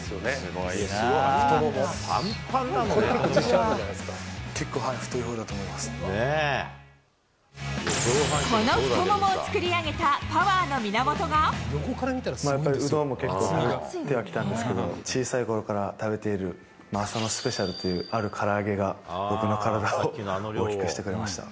これ結構、結構、はい、太いほうだと思この太ももを作り上げたパワやっぱりうどんも結構、食べてはきたんですけど、小さいころから食べている、浅野スペシャルっていう、あるから揚げが、僕の体を大きくしてくれました。